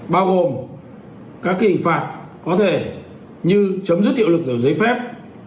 bao gồm các hình phạt có thể như chấm dứt hiệu lực giữa giấy phép